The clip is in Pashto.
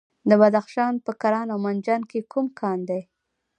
د بدخشان په کران او منجان کې کوم کان دی؟